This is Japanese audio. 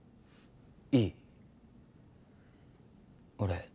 いい俺